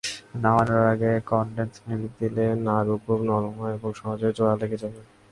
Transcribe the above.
নামানোর আগে condense milk দিলে নাড়ু খুব নরম হবে ও সহজেই জোড়া লেগে যাবে।